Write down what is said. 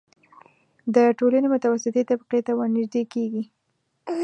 د ټولنې متوسطې طبقې ته ورنژدې کېږي.